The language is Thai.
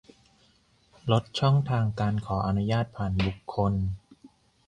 ลดช่องทางการขออนุญาตผ่านบุคคล